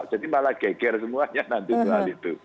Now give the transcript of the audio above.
jadi malah geger semuanya nanti buat itu